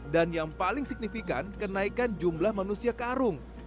dan yang paling signifikan kenaikan jumlah penyelenggaraan